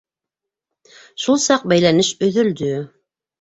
- Шул саҡ бәйләнеш өҙөлдө.